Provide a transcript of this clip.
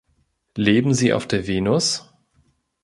Leben Sie auf der Venus?